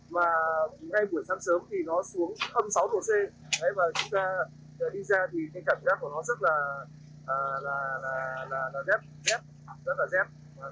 mà ngay buổi sáng sớm thì nó xuống sáu độ c và chúng ta đi ra thì cái cảm giác của nó rất là rét rét rất là rét